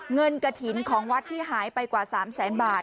เงินกระถิ่นของวัดที่หายไปกว่า๓แสนบาท